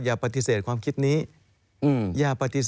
อย่าปฐิเสธความคิดนี้